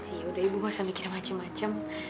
ya ibu tidak perlu berpikir macam macam